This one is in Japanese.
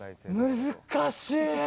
難しい。